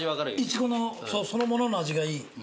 いちごのそのものの味がいい。